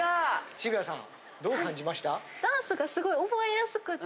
渋谷さんどう感じました？